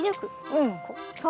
うん。